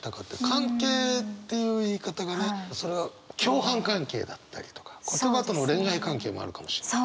「関係」っていう言い方がねそれは共犯関係だったりとか言葉との恋愛関係もあるかもしれないし。